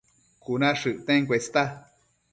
Cuna shëcten cuesta